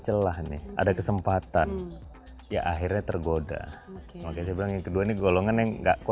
celah nih ada kesempatan ya akhirnya tergoda oke saya bilang yang kedua ini golongan yang enggak